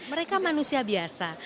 mereka manusia biasa